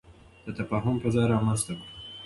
د تفاهم فضا رامنځته کړو.